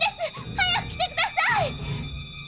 早く来てください！